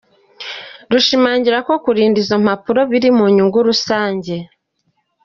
Rushimangira ko kurinda izo mpapuro biri mu nyungu rusange.